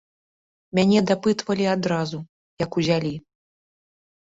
Мяне дапытвалі адразу, як узялі.